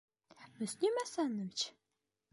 Мөслим Әсәнович!..